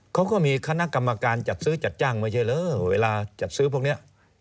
เขาก็มีคณะกรรมการจัดซื้อจัดจ้างไม่ใช่เหรอเวลาจัดซื้อพวกนี้